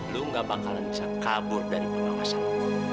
lo nggak bakalan bisa kabur dari pengawasan lo